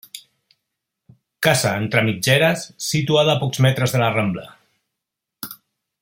Casa entre mitgeres, situada a pocs metres de la Rambla.